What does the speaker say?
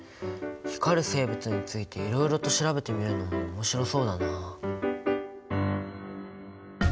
光る生物についていろいろと調べてみるのも面白そうだな。